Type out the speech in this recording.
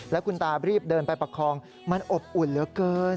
แล้วคุณตารีบเดินไปประคองมันอบอุ่นเหลือเกิน